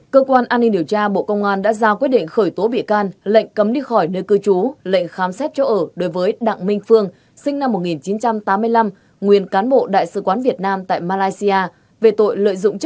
cơ quan an ninh điều tra bộ công an đã ra các quyết định khởi tố chín bị can trong vụ án xảy ra tại bộ ngoại giao hà nội và các tỉnh thành phố